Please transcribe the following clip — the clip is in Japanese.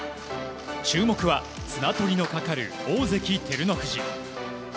注目は綱取りのかかる大関・照ノ富士。